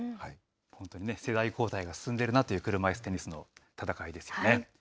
本当に世代交代が進んでいるなという、車いすテニスの戦いですよね。